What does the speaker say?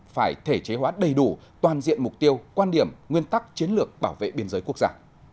phải thể chế hóa đầy đủ toàn diện mục tiêu quan điểm nguyên tắc chiến lược bảo vệ biên giới quốc gia